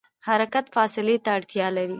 حرکت فاصلې ته اړتیا لري.